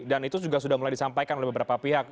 dan itu juga sudah mulai disampaikan oleh beberapa pihak